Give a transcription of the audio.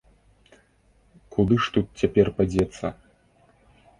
Куды ж тут цяпер падзецца?!